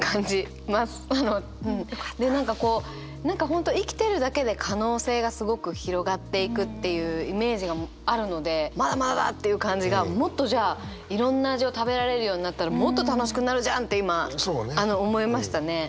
で何かこう何か本当生きてるだけで可能性がすごく広がっていくっていうイメージがあるのでまだまだだっていう感じがもっとじゃあいろんな味を食べられるようになったらもっと楽しくなるじゃんって今思いましたね。